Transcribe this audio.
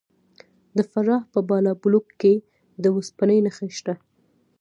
د فراه په بالابلوک کې د وسپنې نښې شته.